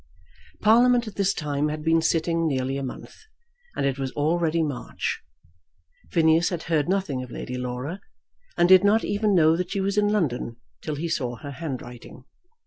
Parliament at this time had been sitting nearly a month, and it was already March. Phineas had heard nothing of Lady Laura, and did not even know that she was in London till he saw her handwriting.